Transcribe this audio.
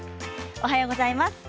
おはようございます。